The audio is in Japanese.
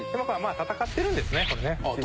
あっ戦ってるんですか？